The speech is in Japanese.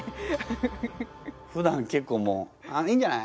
ふだん結構もう「いいんじゃない？